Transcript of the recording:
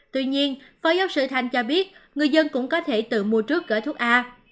tuy nhiên phó giáo sư thanh cho biết người dân cũng có thể tự mua trước gói thuốc a